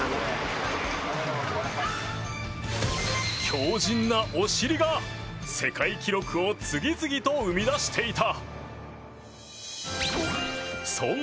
強じんなお尻が、世界記録を次々と生み出していた。